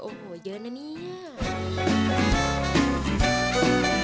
โอ้โหเยอะนะเนี่ย